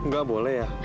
gak boleh ya